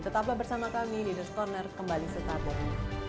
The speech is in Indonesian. tetaplah bersama kami leaders' corner kembali sesaat ini